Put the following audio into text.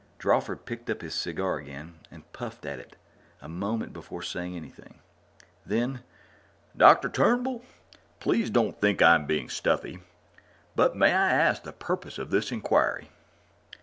Drawford picked up his cigar again and puffed at it a moment before saying anything. Then, "Dr. Turnbull, please don't think I'm being stuffy, but may I ask the purpose of this inquiry?"